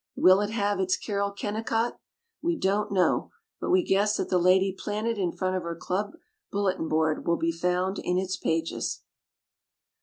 Will it have its Carol Kennicott? We don't know; but we guess that the lady planted in front of her club bulle tin board will be found in its pages.